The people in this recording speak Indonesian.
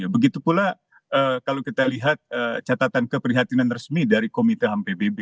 begitu pula kalau kita lihat catatan keprihatinan resmi dari komite ampbb